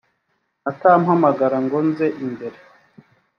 atampamagara ngo nze imbere